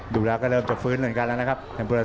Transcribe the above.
ดูแล้วก็เริ่มจะฟื้นเหมือนกันแล้วนะครับ